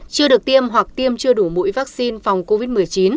chưa được tiêm hoặc tiêm chưa đủ mũi vaccine phòng covid một mươi chín